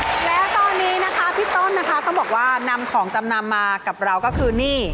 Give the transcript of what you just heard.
แล้วตอนนี้นะคะพี่ต้นนะคะเขาบอกว่านำของจำนำมากับเราก็คือนี่